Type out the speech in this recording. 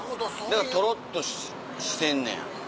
だからとろっとしてんねや。